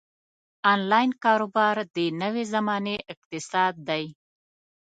انلاین کاروبار د نوې زمانې اقتصاد دی.